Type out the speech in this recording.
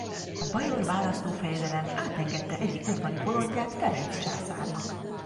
A bajor választó-fejedelem átengedte egyik udvari bolondját Ferenc császárnak.